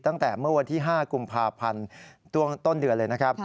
ตั้งแต่เมื่อวันที่๕กุมภาพันธ์ต้นเดือนเลยนะครับ